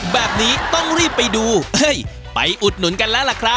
วันนี้ก็เลยรับปลาหมึกค่ะ